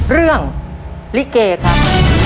เรื่องลิเกครับ